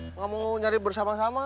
nggak mau nyari bersama sama